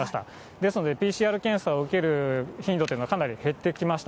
ですので、ＰＣＲ検査を受ける頻度というのはかなり減ってきました。